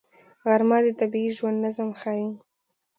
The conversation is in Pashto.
غرمه د طبیعي ژوند نظم ښيي